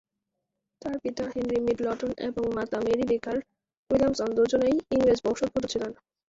তার পিতা Henry Middleton এবং মাতা মেরি বেকার উইলিয়ামস দুজনেই ইংরেজ বংশোদ্ভূত ছিলেন।